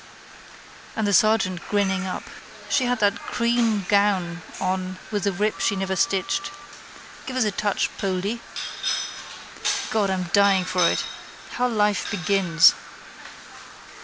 And the sergeant grinning up. She had that cream gown on with the rip she never stitched. Give us a touch, Poldy. God, I'm dying for it. How life begins.